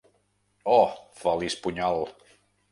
Oh, feliç punyal!